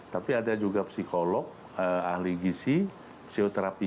tapi ada juga psikolog ahli gisi psioterapi